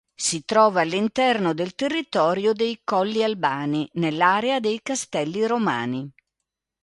Si trova all'interno del territorio dei Colli Albani, nell'area dei Castelli Romani.